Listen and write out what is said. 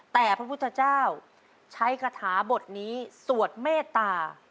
แต่พระพุทธเจ้าใช้คาถาบทนี้สวดเมตตา